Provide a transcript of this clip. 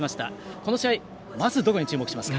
この試合まずどこに注目しますか。